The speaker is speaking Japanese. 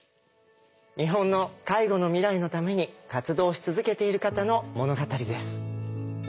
日本の介護の未来のために活動し続けている方の物語です。